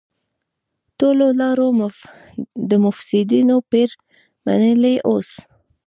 ټولو لاروی د مفسيدينو پير منلی اوس